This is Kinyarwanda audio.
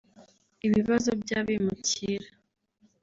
ibibazo by’abimukira